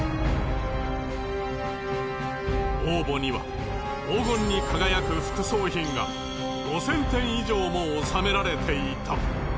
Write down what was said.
王墓には黄金に輝く副葬品が５，０００点以上も納められていた。